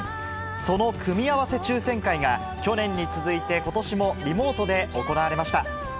その組み合わせ抽せん会が、去年に続いてことしもリモートで行われました。